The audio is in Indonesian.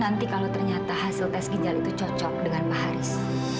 nanti kalau ternyata hasil tes ginjal itu cocok dengan pak haris